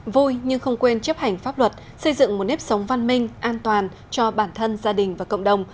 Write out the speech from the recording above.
vui nhưng không quên chấp hành pháp luật xây dựng một nếp sống văn minh an toàn cho bản thân gia đình và cộng đồng